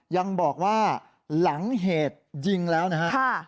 ยังบอกว่าหลังเหตุยิงแล้วนะฮะ